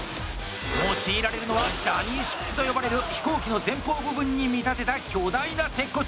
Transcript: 用いられるのは「ダミーシップ」と呼ばれる飛行機の前方部分に見立てた巨大な鉄骨。